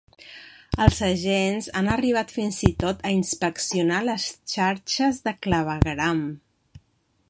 Els agents han arribat fins i tot a inspeccionar les xarxes de clavegueram.